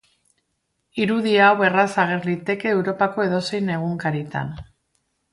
Irudi hau erraz ager liteke Europako edozein egunkaritan.